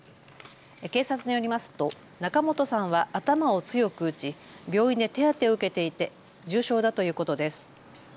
警察によりますと仲本さんは頭を強く打ち病院で手当てを受けていて重傷だということです。